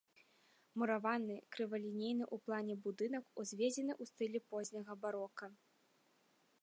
Мураваны, крывалінейны ў плане будынак узведзены ў стылі позняга барока.